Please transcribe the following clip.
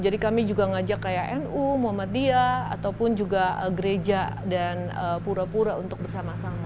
jadi kami juga mengajak kayak nu muhammadiyah ataupun juga gereja dan pura pura untuk bersama sama